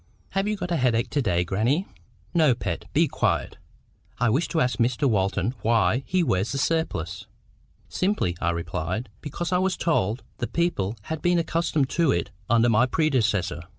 "Have you got a headache to day, grannie?" "No, Pet. Be quiet. I wish to ask Mr Walton WHY he wears the surplice." "Simply," I replied, "because I was told the people had been accustomed to it under my predecessor."